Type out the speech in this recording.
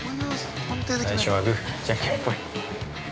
◆最初はグー、じゃんけんぽいっ。